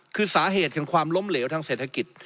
คือสาเหตุของความล้มเหลวทางเศรษฐกิจ